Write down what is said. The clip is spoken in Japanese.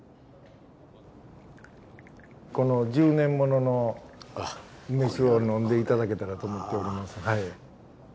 この１０年ものの梅酒を呑んで頂けたらと思っております。